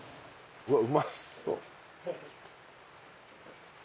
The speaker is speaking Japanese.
うわっうまそう。